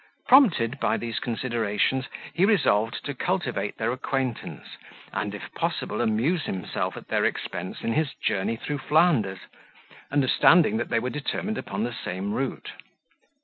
Prompted by these considerations, he resolved to cultivate their acquaintance, and, if possible, amuse himself at their expense in his journey through Flanders, understanding that they were determined upon the same route.